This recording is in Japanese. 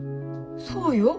そうよ。